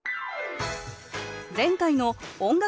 前回の音楽